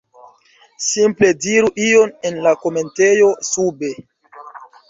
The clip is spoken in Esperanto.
simple diru ion en la komentejo sube